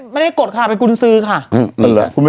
ไม่ได้กดค่ะเป็นกุญซื้อค่ะ